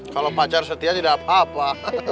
kalau pacar setia tidak apa apa